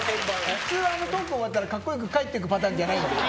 普通トーク終わったらカッコ良く帰ってくパターンじゃないの？